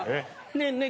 ねえねえ